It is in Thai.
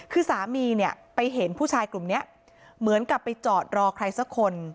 คือสามีเนี่ยไปเห็นผู้ชายกลุ่มนี้เหมือนกับไปจอดรอใครสักคน